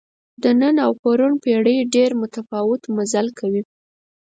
د نن او پرون پېړۍ ډېر متفاوت مزل کوي.